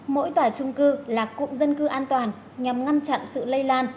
mỗi tòa trung cư là cụm dân cư an toàn nhằm ngăn chặn sự lây lan